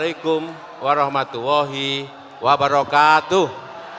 wa'alaikum salam warahmatullahi wabarakatuh